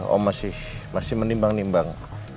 om masih menimbang nimbang